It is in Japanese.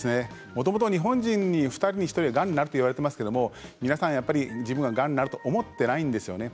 もともと日本人は２人に１人はがんだといわれていますが皆さん、やはり自分は、がんになるとは思っていないんですよね。